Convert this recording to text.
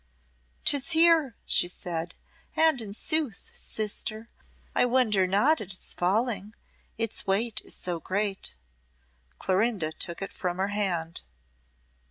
"'Tis here," she said, "and in sooth, sister, I wonder not at its falling its weight is so great." Clorinda took it from her hand.